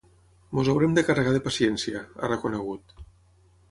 Ens haurem de carregar de paciència, ha reconegut.